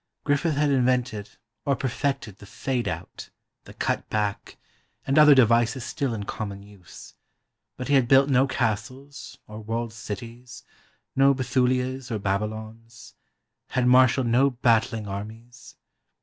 Griffith had invented, or perfected, the "fade out," the "cut back" and other devices still in common use, but he had built no castles or walled cities, no Bethulias or Babylons, had marshaled no battling armies.